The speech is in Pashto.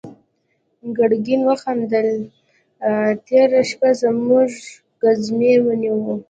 ګرګين وخندل: تېره شپه زموږ ګزمې ونيو.